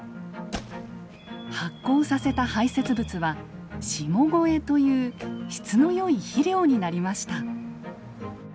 発酵させた排せつ物は「下肥」という質の良い肥料になりました。